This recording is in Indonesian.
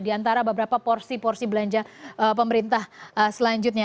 diantara beberapa porsi porsi belanja pemerintah selanjutnya